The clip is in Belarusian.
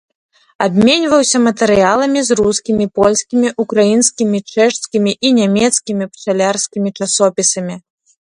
Абменьваўся матэрыяламі з рускімі, польскімі, украінскімі, чэшскімі і нямецкімі пчалярскімі часопісамі.